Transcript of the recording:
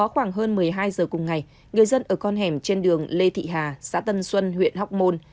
khoảng hơn một mươi hai giờ cùng ngày người dân ở con hẻm trên đường lê thị hà xã tân xuân huyện hóc môn